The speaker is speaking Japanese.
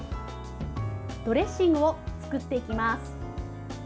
ドレッシングを作っていきます。